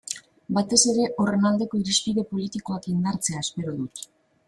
Batez ere horren aldeko irizpide politikoak indartzea espero dut.